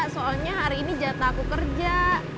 soalnya hari ini jatah aku kerja